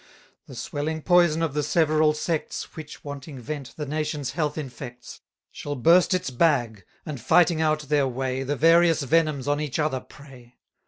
The swelling poison of the several sects, Which, wanting vent, the nation's health infects, Shall burst its bag; and, fighting out their way, The various venoms on each other prey.